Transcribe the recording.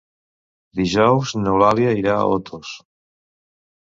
Dijous n'Eulàlia irà a Otos.